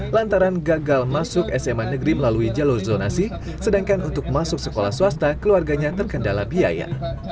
lantaran gagal masuk sma negeri melalui jalur zonasi sedangkan untuk masuk sekolah swasta keluarganya terkendala biaya